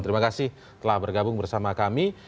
terima kasih telah bergabung bersama kami